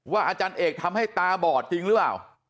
อาจารย์เอกทำให้ตาบอดจริงหรือเปล่า